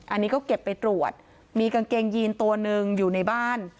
อันนี้ก็เก็บไปตรวจมีกางเกงยีนตัวหนึ่งอยู่ในบ้าน